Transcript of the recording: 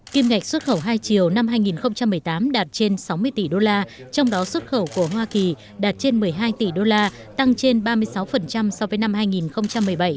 kim ngạch xuất khẩu hai chiều năm hai nghìn một mươi tám đạt trên sáu mươi tỷ đô la trong đó xuất khẩu của hoa kỳ đạt trên một mươi hai tỷ đô la tăng trên ba mươi sáu so với năm hai nghìn một mươi bảy